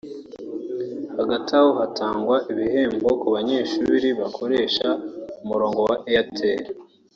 Hagati aho hatangwaga ibihembo ku banyeshuri bakoresha umurongo wa Airtel